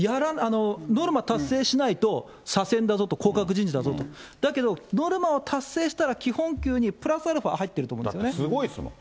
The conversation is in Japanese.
ノルマ達成しないと左遷だぞと、降格人事だぞと、だけどノルマを達成したら基本給にプラスアルファ入ってると思うだってすごいですもん。